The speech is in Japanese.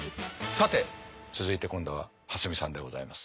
さて続いて今度は蓮見さんでございます。